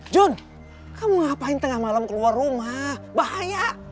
john kamu ngapain tengah malam keluar rumah bahaya